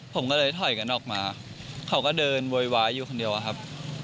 ผมก็เลยถอยกันออกมาเขาก็เดินโวยวายอยู่คนเดียวอะครับ